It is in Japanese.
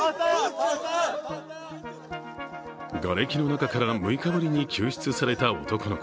がれきの中から６日ぶりに救出された男の子。